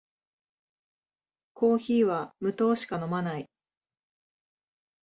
コーヒーは無糖しか飲まない